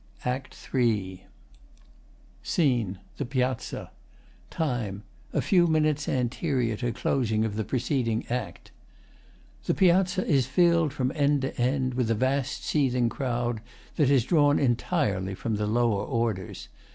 ] ACT III SCENE: The Piazza. TIME: A few minutes anterior to close of preceding Act. The Piazza is filled from end to end with a vast seething crowd that is drawn entirely from the lower orders.